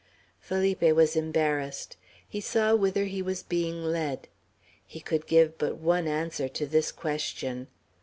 Felipe was embarrassed. He saw whither he was being led. He could give but one answer to this question.